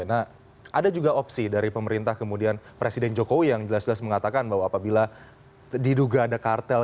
nah ada juga opsi dari pemerintah kemudian presiden jokowi yang jelas jelas mengatakan bahwa apabila diduga ada kartel